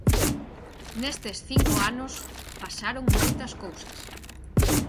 Nestes cinco anos "pasaron moitas cousas".